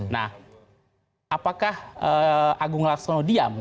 nah apakah agung laksono diam